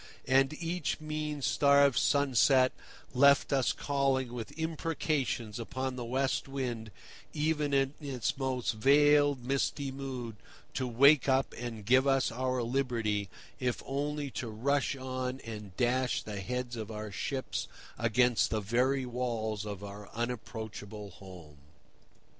And each mean starved sunset left us calling with imprecations upon the West Wind even in its most veiled misty mood to wake up and give us our liberty, if only to rush on and dash the heads of our ships against the very walls of our unapproachable home.